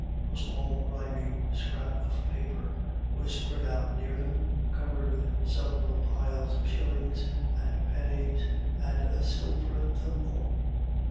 A small grimy scrap of paper was spread out near them, covered with several piles of shil lings and pennies, and a silver thimble.